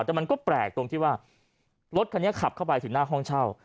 แต่มันก็แปลกตรงที่ว่ารถคันนี้ขับเข้าไปถึงหน้าห้องเช่า